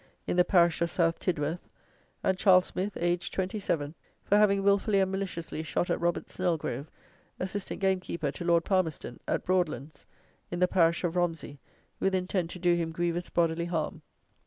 in the parish of South Tidworth, and Charles Smith, aged 27, for having wilfully and maliciously shot at Robert Snellgrove, assistant gamekeeper to Lord Palmerston, at Broadlands, in the parish of Romsey, with intent to do him grievous bodily harm.